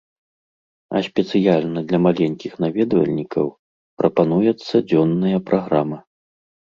А спецыяльна для маленькіх наведвальнікаў прапануецца дзённая праграма.